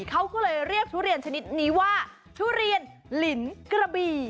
เขาก็เลยเรียกทุเรียนชนิดนี้ว่าทุเรียนลินกระบี่